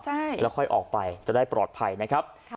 ใช่แล้วค่อยออกไปจะได้ปลอดภัยนะครับ